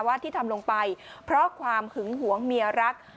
ที่ทำลงไปเพราะความหึงหวงเมียรัก